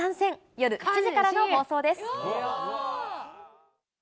夜７時からの放送です。